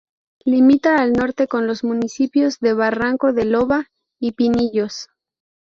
Limita al norte con los municipios de Barranco de loba y Pinillos.